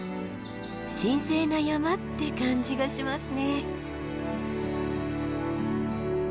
神聖な山って感じがしますね。